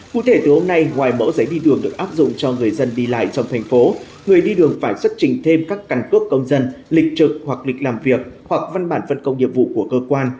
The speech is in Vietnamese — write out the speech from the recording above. cụ thể từ hôm nay ngoài mẫu giấy đi đường được áp dụng cho người dân đi lại trong thành phố người đi đường phải xuất trình thêm các căn cước công dân lịch trực hoặc lịch làm việc hoặc văn bản phân công nhiệm vụ của cơ quan